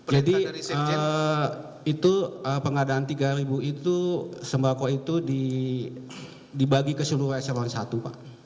jadi itu pengadaan tiga itu sembako itu dibagi ke seluruh s satu pak